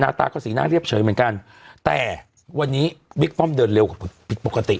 ตาก็สีหน้าเรียบเฉยเหมือนกันแต่วันนี้บิ๊กป้อมเดินเร็วกว่าผิดปกติ